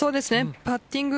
パッティング